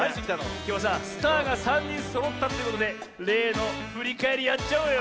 きょうはさスターが３にんそろったってことでれいのふりかえりやっちゃおうよ。